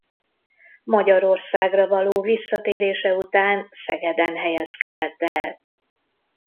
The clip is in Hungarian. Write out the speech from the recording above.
Magyarországra való visszatérése után Szegeden helyezkedett el.